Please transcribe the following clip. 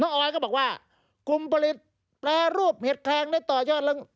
น้องออยก็บอกว่ากลุ่มผลิตแปรรูปเหตุแครงได้ต่อยอดลง